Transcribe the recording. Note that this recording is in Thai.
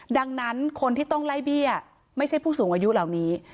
ดังนั้นคนที่ต้องไล่เบี้ยไม่ใช่ผู้สูงอายุเหล่านี้